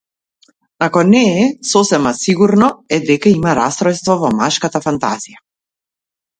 Ако не е, сосем сигурно е дека има растројство во машката фантазија.